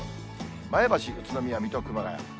前橋、宇都宮、水戸、熊谷。